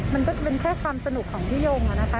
มันก็เป็นแค่ความสนุกของพี่ยงนะคะ